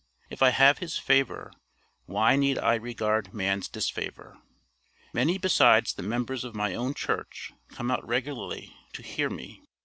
If I have his favor, why need I regard man's disfavor. Many besides the members of my own church come out regularly to hear me.